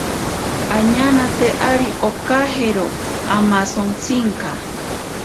Añanate ari okajero amasontsinka.